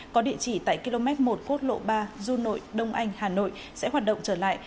có địa chỉ tại km một quốc lộ ba du nội đông anh hà nội sẽ hoạt động trở lại